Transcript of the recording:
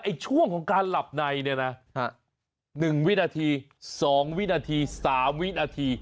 แต่ว่าไอ้ช่วงของการหลับในเนี้ยนะหนึ่งวินาทีสองวินาทีสามวินาที